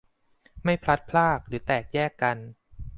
ไม่พลัดพราก หรือแตกแยกกัน